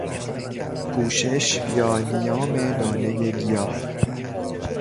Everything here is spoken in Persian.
پوشش یا نیام دانهی گیاه